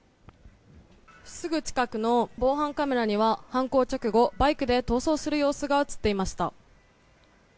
すぐ近くの防犯カメラには犯行直後バイクで逃走する様子が映っていました。